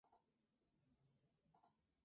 Fue inventada por Arthur Casagrande.